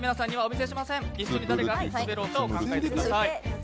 一緒に誰が滑狼かを考えてください。